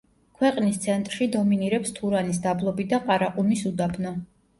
ქვეყნის ცენტრში დომინირებს თურანის დაბლობი და ყარაყუმის უდაბნო.